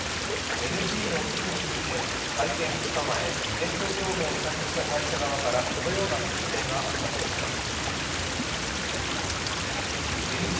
ＮＧの意味について、会見２日前、イベント業務を委託した会社からこのような説明があったといいます。